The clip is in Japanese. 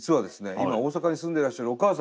今大阪に住んでいらっしゃるお母様。